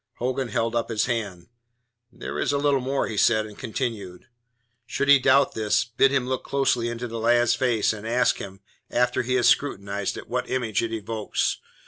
Hogan held up his hand. "There is a little more," he said, and continued: Should he doubt this, bid him look closely into the lad's face, and ask him, after he has scrutinized it, what image it evokes.